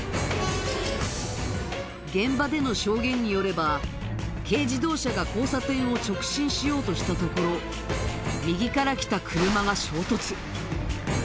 現場での証言によれば軽自動車が交差点を直進しようとしたところ右から来た車が衝突